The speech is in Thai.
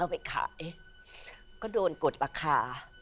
ไปขายก็โดนกดราคา